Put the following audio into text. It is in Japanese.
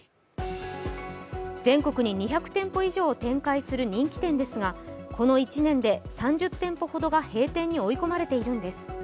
全国に２００店舗以上を展開する人気店ですが、この１年で３０店舗ほどが閉店に追い込まれているんです。